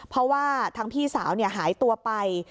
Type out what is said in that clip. เพราะว่าทางพี่สาวหายตัวไป